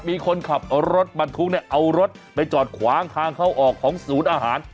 มีคนขับรถบรรทุกเนี่ยเอารถไปจอดขวางทางเข้าออกของศูนย์อาหาร